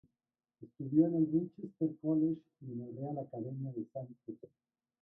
Estudió en el "Winchester College" y en la Real Academia de Sandhurst.